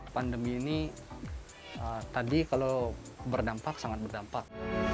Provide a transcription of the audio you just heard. pandemi ini tadi kalau berdampak sangat berdampak